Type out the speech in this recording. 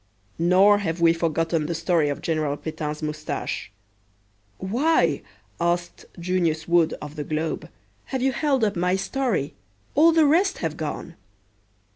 Nor have we forgotten the story of General Petain's mustache. "Why," asked Junius Wood of the Globe, "have you held up my story? All the rest have gone."